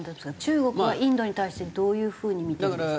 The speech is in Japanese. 中国はインドに対してどういう風に見てるんですか？